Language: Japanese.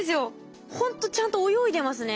ほんとちゃんと泳いでますね。